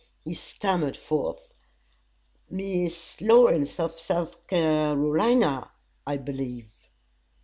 He stammered forth: "Miss Lawrence, of South Carolina, I believe."